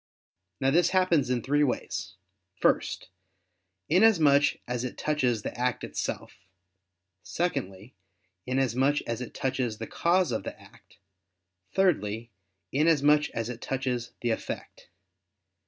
Now this happens in three ways: first, inasmuch as it touches the act itself; secondly, inasmuch as it touches the cause of the act; thirdly, inasmuch as it touches the effect.